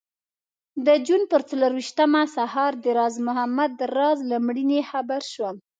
د جون پر څلرویشتمه سهار د راز محمد راز له مړینې خبر شوم.